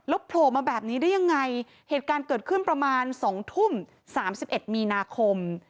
โผล่มาแบบนี้ได้ยังไงเหตุการณ์เกิดขึ้นประมาณ๒ทุ่ม๓๑มีนาคม